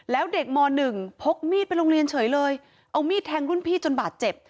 แล้วเด็กม๑พกมีดไปโรงเรียนเฉยเลยเอามีดแทงรุ่นพี่จนบาดเจ็บ